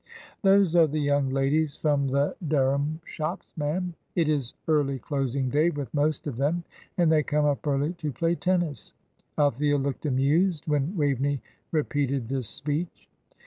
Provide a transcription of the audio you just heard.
"Those are the young ladies from the Dereham shops, ma'am. It is early closing day with most of them, and they come up early to play tennis." Althea looked amused when Waveney repeated this speech.